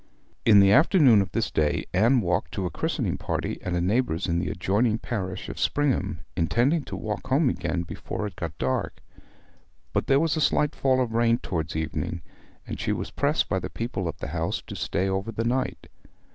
In the afternoon of this day Anne walked to a christening party at a neighbour's in the adjoining parish of Springham, intending to walk home again before it got dark; but there was a slight fall of rain towards evening, and she was pressed by the people of the house to stay over the night.